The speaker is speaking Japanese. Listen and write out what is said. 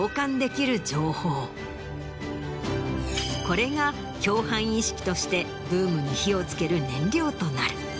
これが「共犯意識」としてブームに火を付ける燃料となる。